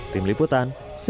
tim liputan cnn indonesia